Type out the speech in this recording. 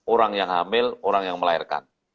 orang yang hamil orang yang melahirkan